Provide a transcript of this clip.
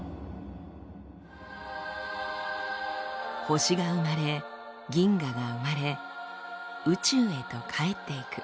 星が生まれ銀河が生まれ宇宙へとかえっていく。